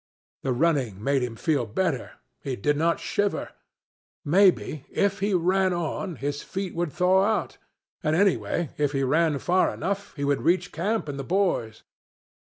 The running made him feel better. He did not shiver. Maybe, if he ran on, his feet would thaw out; and, anyway, if he ran far enough, he would reach camp and the boys.